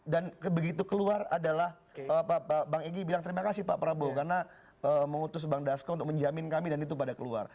dan begitu keluar adalah bang egy bilang terima kasih pak prabowo karena mengutus bang dasko untuk menjamin kami dan itu pada keluar